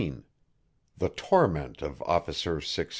THE TORMENT OF OFFICER 666.